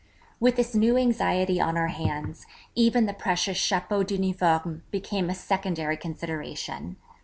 With this new anxiety on our hands, even the precious chapeau d'uniforme became a secondary consideration.